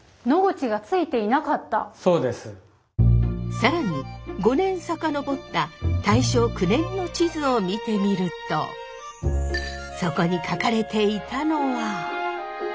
更に５年さかのぼった大正９年の地図を見てみるとそこに書かれていたのは。